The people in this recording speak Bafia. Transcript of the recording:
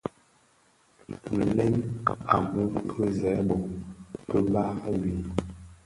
Nlem a mum ki zerbo, bi bag wii,